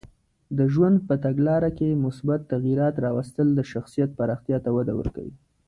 د ژوند په تګلاره کې مثبت تغییرات راوستل د شخصیت پراختیا ته وده ورکوي.